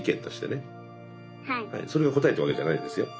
それが答えってわけじゃないですよ。